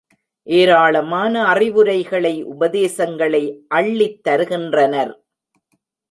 ஏராளமான அறிவுரைகளை உபதேசங்களை அள்ளித் தருகின்றனர்.